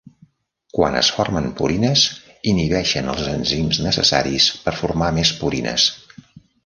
Quan es formen purines, inhibeixen els enzims necessaris per formar més purines.